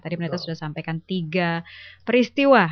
tadi mereka sudah sampaikan tiga peristiwa